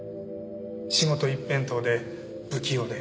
仕事一辺倒で不器用で。